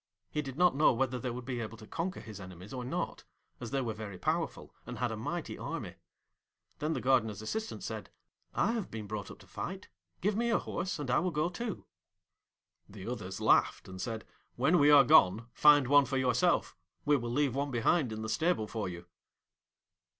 He did not know whether they would be able to conquer his enemies or not, as they were very powerful, and had a mighty army. Then the Gardener's assistant said, 'I have been brought up to fight; give me a horse, and I will go too.' [Illustration: He called three times, 'Iron Hans,' as loud as he could.] The others laughed and said, 'When we are gone, find one for yourself. We will leave one behind in the stable for you.'